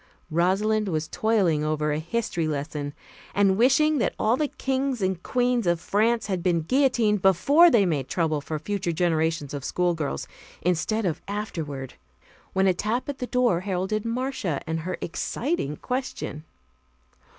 Rosalind was toiling over a history lesson and wishing that all the kings and queens of France had been guillotined before they made trouble for future generations of schoolgirls, instead of afterward, when a tap at the door heralded Marcia and her exciting question.